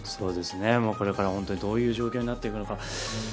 これからどういう状況になっていくのか